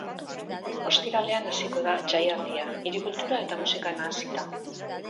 Ostiralean hasiko da jaialdia, hiri kultura eta musika nahasita.